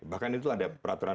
bahkan itu ada peraturan